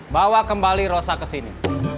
bawa kembali rosa ke sini